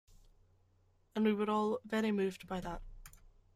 And we were all very moved by that.